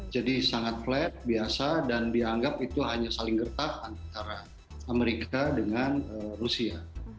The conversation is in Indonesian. jadi sangat flat biasa dan dianggap itu hanya saling gerta antara amerika dengan rusia